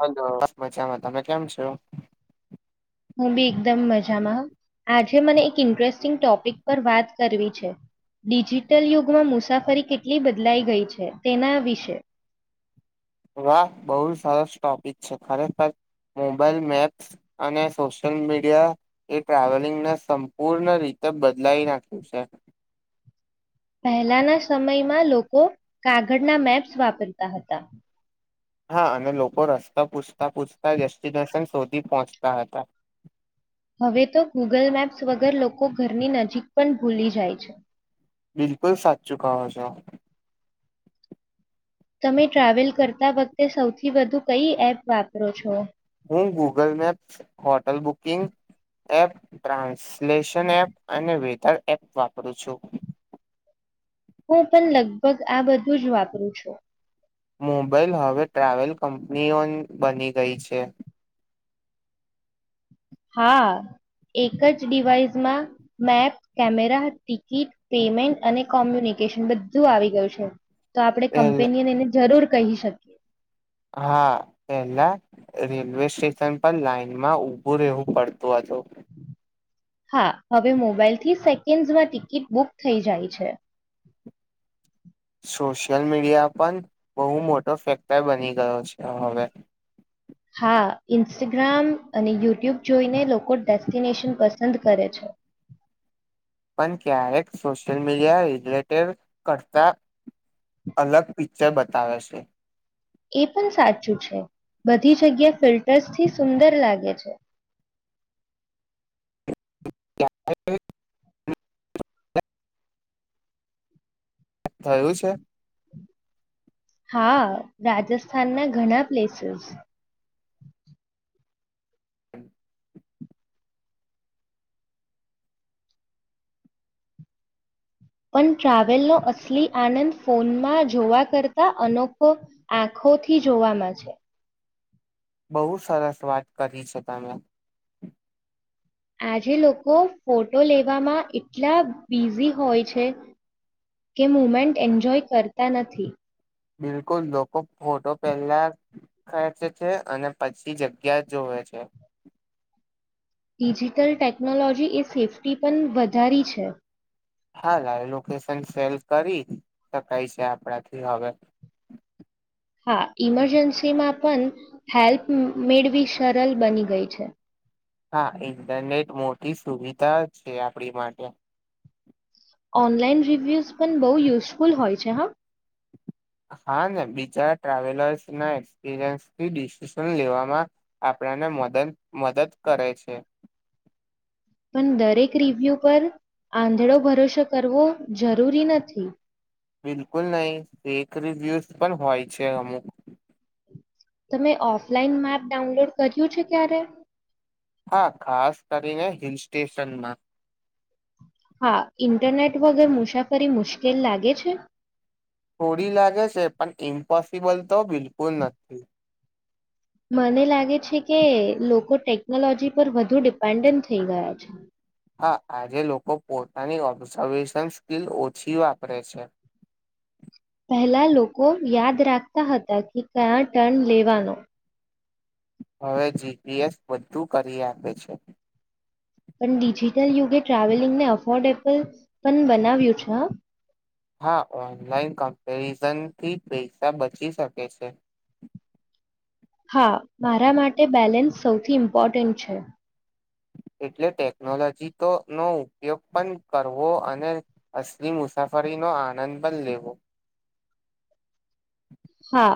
Hello બસ મજામાં તમે કેમ છો હું બી એકદમ મજામાં હ આજે મને એક ઇન્ટરેસ્ટિંગ ટોપિક પર વાત કરવી છે ડિજિટલ યુગમાં મુસાફરી કેટલી બદલાઈ ગઈ છે તેના વિશે વાહ બહુ જ સરસ ટોપિક છે ખરેખર મોબાઈલ મેપ્સ અને સોશિયલ મીડિયા એ ટ્રાવેલિંગને સંપૂર્ણ રીતે બદલાવી નાખ્યું છે પહેલાના સમયમાં લોકો કાગળના મેપ્સ વાપરતા હતા હા અને લોકો રસ્તા પૂછતા પૂછતા ડેસ્ટિનેશન સુધી પહોંચતા હતા હવે તો ગૂગલ મેપ્સ વગર લોકો ઘરની નજીક પણ ભૂલી જાય છે બિલકુલ સાચું કહો છો તમે ટ્રાવેલ કરતા વખતે સૌથી વધુ કઈ એપ વાપરો છો હું Google maps, hotel booking app, translation app અને વેધર એપ વાપરું છું હું પણ લગભગ આ બધું જ વાપરું છું મોબાઈલ હવે ટ્રાવેલ કંપનીઓ બની ગઈ છે હા એક જ ડિવાઈસમાં મેપ, કેમેરા, ટિકિટ, પેમેન્ટ અને કોમ્યુનિકેશન બધું આવી ગયું છે તો આપડે પહેલા કંપનીએને એને જરૂર કહી શકીએ હા પેલા રેલવે સ્ટેશન પર લાઈનમાં ઊભું રહેવું પડતું હતું હા હવે મોબાઈલથી સેકન્ડસમાં ટિકિટ બુક થઈ જાય છે સોશિયલ મીડિયા પણ બહુ મોટો ફેક્ટર બની ગયો છે હવે હા ઇન્સ્ટાગ્રામ અને યુટ્યુબ જોઈને લોકો ડેસ્ટિનેશન પસંદ કરે છે પણ ક્યારેક સોશિયલ મીડિયા રિલેટેડ કરતા અલગ પિક્ચર બતાવે છે એ પણ સાચું છે બધી જગ્યા ફિલ્ટર્સથી સુંદર લાગે છે [unintelligible] થયું છે હા રાજસ્થાન ના ઘણા પ્લેસીસ પણ ટ્રાવેલનો અસલી આનંદ ફોનમાં જોવા કરતા અનોખો આંખોથી જોવામાં છે બહુ સરસ વાત કરી છે તમે આજે લોકો ફોટો લેવામાં એટલા બિઝી હોય છે કે મુમેન્ટ એન્જોય કરતા નથી બિલકુલ લોકો ફોટો પહેલા ખેચે છે અને પછી જગ્યા જોવે છે ડિજિટલ ટેકનોલોજી એ સેફ્ટી પણ વધારી છે હા લાઇવ લોકેશન સેન્ડ કરી શકાય છે આપણાથી હવે હા ઈમરજન્સીમાં પણ હેલ્પ મેળવી સરળ બની ગઈ છે હા ઇન્ટરનેટ મોટી સુવિધા છે આપડી માટે ઓનલાઈન રિવ્યુઝ પણ બહુ યુઝફુલ હોય છે હા હા ને બીજા ટ્રાવેલર્સના એક્સપિરિયન્સથી ડિસિઝન લેવામાં આપણાને મદદ મદદ કરે છે પણ દરેક રિવ્યુ પર આંધળો ભરોસો કરવો જરૂરી નથી બિલકુલ નહીં ફેક રિવ્યૂઝ પણ હોય છે અમુક તમે ઓફલાઈન મેપ ડાઉનલોડ કર્યું છે ક્યારે હા ખાસ કરીને હિલ સ્ટેશનમાં હા ઇન્ટરનેટ વગર મુસાફરી મુશ્કેલ લાગે છે થોડી લાગે છે પણ ઇમ્પોસિબલ તો બિલકુલ નથી મને લાગે છે કે લોકો ટેકનોલોજી પર વધુ ડિપેન્ડન્ટ થઈ ગયા છે હા આજે લોકો પોતાની ઓબ્ઝર્વેશન સ્કીિલ ઓછી વાપરે છે પહેલા લોકો યાદ રાખતા હતા કે કયા ટર્ન લેવાનો હવે જીપીએસ બધું કરી આપે છે પણ ડિજિટલ યુગે ટ્રાવેલિંગને અફોર્ડેબલ પણ બનાવ્યું છે હ હા ઓનલાઈન કમ્પેરિઝનથી પૈસા બચી શકે છે હા મારા માટે બેલેન્સ સૌથી ઇમ્પોર્ટન્ટ છે એટલે ટેકનોલોજીનો ઉપયોગ પણ કરવો અને અસલી મુસાફરીનો આનંદ પણ લેવો હા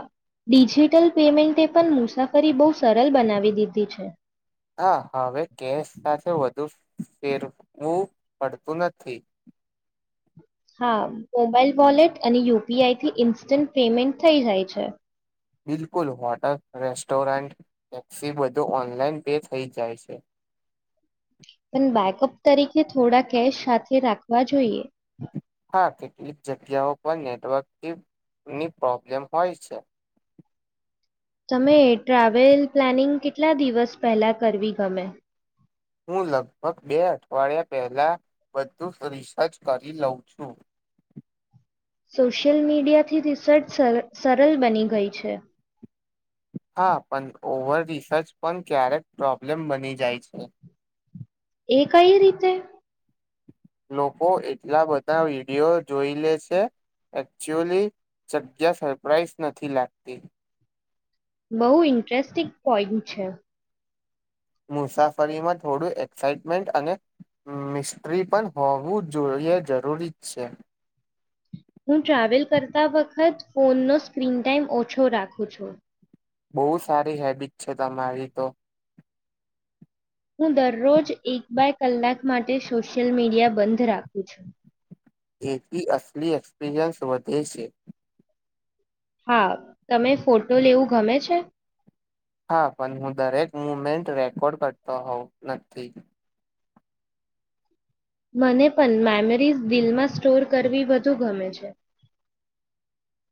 ડિજિટલ પેમેન્ટે પણ મુસાફરી બહુ સરળ બનાવી દીધી છે હા હાવે કેસ સાથે વધુ ફેરવું પડતું નથી હા મોબાઈલ વોલેટ અને યુપીઆઈથી ઇન્સ્ટન્ટ પેમેન્ટ થઈ જાય છે બિલકુલ હોટલ રેસ્ટોરન્ટ ટેક્સી બધું ઓનલાઈન પે થઈ જાય છે પણ બેકઅપ તરીકે થોડા કેશ સાથે રાખવા જોઈએ હા કેટલીક જગ્યાઓ પર નેટવર્કની પ્રોબ્લેમ હોય છે તમે ટ્રાવેલ પ્લાનિંગ કેટલા દિવસ પહેલા કરવી ગમે હું લગભગ બે અઠવાડિયા પહેલા બધું રિસર્ચ કરી લઉં છું સોશિયલ મીડિયાથી રિસર્ચ સરળ બની ગઈ છે હા પણ ઓવર રિસર્ચ પણ ક્યારેક પ્રોબ્લેમ બની જાય છે એ કઈ રીતે લોકો એટલા બધા વિડિયો જોઈ લે છે એકચુઅલી જગ્યા સરપ્રાાઈઝ નથી લાગતી. બહુ ઇન્ટેસ્ટિંગ પોઈન્ટ છે. મુસાફરીમાં થોડું એક્સાઈટમેન્ટ અને મિસ્ટ્રી પણ હોવું જોઈએ જરૂરી જ છે. હું ટ્રાવેલ કરતા વખત ફોનનો સ્ક્રીન ટાઈમ ઓછો રાખું છું. બહુ સારી હેબિટ છે તમારી તો. હું દરરોજ એક બાય કલાક માટે સોશિયલ મીડિયા બંધ રાખું છું. એથી અસલી એક્સપિરિયન્સ વધે છે. હા, તમે ફોટો લેવું ગમે છે? હા, પણ હું દરેક મુમેન્ટ રેકોર્ડ કરતો હોઉ નથી. મને પણ મેમરીઝ દિલમાં સ્ટોર કરવી વધુ ગમે છે.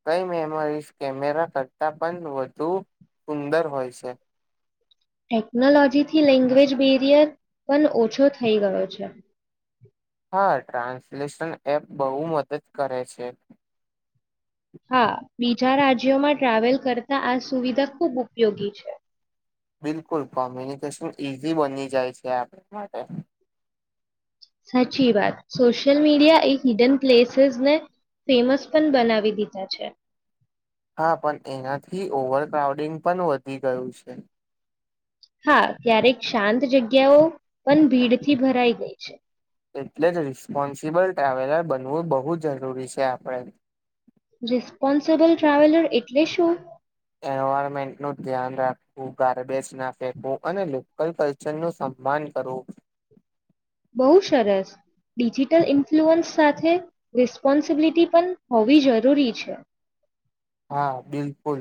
કઈ મેમોરીઝ કેમેરા કરતાં પણ વધુ સુંદર હોય છે? ટેકનોલોજીથી લેંગ્વેજ બેરિયર પણ ઓછો થઈ ગયો છે. હા ટ્રાન્સલેશન એપ બહુ મદદ કરે છે. હા. બીજા રાજ્યોમાં ટ્રાવેલ કરતાં આ સુવિધા ખૂબ ઉપયોગી છે. બિલકુલ કોમ્યુનિકેશન ઈઝી બની જાય છે આપ માટે. સાચી વાત સોશિયલ મીડિયા એ હિડન પ્લેસીસને ફેમસ પણ બનાવી દીધા છે. હા, પણ એનાથી ઓવર ક્રાઉડિંગ પણ વધી ગયું છે. હા, ક્યારેક શાંત જગ્યાઓ પણ ભીડથી ભરાઈ ગઈ છે. એટલે જ રિસ્પોન્સિબલ ટ્રાવેલર બનવું બહુ જ જરૂરી છે આપણે. રિસ્પોન્સબલ ટ્રાવેલર એટલે શું? એન્વાયરમેન્ટનું ધ્યાન રાખવું, ગાર્બેજ ના ફેંકવું અને લોકલ કલ્ચરનું સન્માન કરવું. બહુ સરસ ડિજિટલ ઇન્ફ્લુઅન્સ સાથે રિસ્પોન્સિબિલિટી પણ હોવી જરૂરી છે. હા બિલકુલ.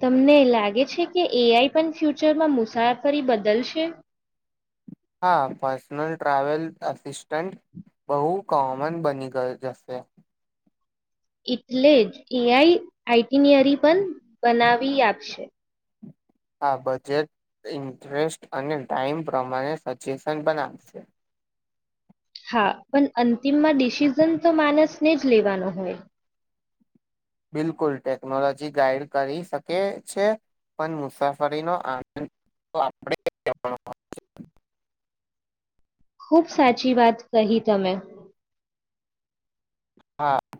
તમને લાગે છે કે એ આઈ પણ ફ્યુચરમાં મુસાફરી બદલશે? હા, પર્સનલ ટ્રાવેલ અસિસ્ટન્ટ બહુ કોમન બની જશે. એટલે જ એ આઈ આઇટીનયરી પણ બનાવી આપશે. આ બજેટ ઇન્ટરેસ્ટ અને ટાઈમ પ્રમાણે સજેશન બનાવશે. હા, પણ અંતિમમાં ડિસિઝન તો માનસને જ લેવાનો હોય. બિલકુલ, ટેકનોલોજી ગાઈડ કરી શકે છે પણ મુસાફરીનો આનંદ આપણે [inaudible] ખૂબ સાચી વાત કહી તમે. હા [inaudible]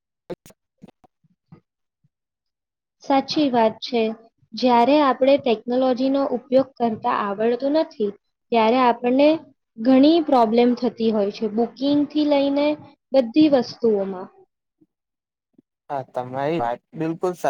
[inaudible] સાચી વાત છે. જ્યારે આપણે ટેકનોલોજીનો ઉપયોગ કરતા આવડતું નથી, ત્યારે આપણને ઘણી પ્રોબ્લેમ થતી હોય છે બુકિંગથી લઈને બધી વસ્તુઓમાં. હા, તમારી વાત બિલકુલ સા